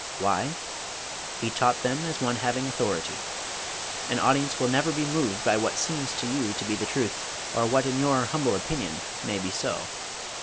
Why? "He taught them as one having AUTHORITY." An audience will never be moved by what "seems" to you to be truth or what in your "humble opinion" may be so.